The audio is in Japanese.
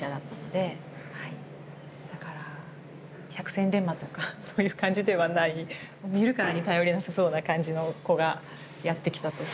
だから百戦錬磨とかそういう感じではない見るからに頼りなさそうな感じの子がやって来たというはい。